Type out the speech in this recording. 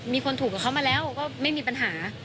มีคนถูกกับเขามาแล้วก็ไม่มีปัญหา